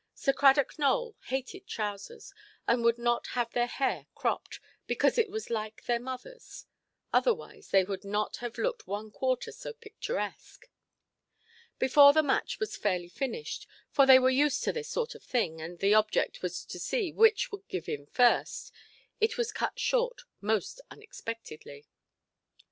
Sir Cradock Nowell hated trousers, and would not have their hair cropped, because it was like their motherʼs; otherwise they would not have looked one quarter so picturesque. Before the match was fairly finished—for they were used to this sort of thing, and the object always was to see which would give in first—it was cut short most unexpectedly.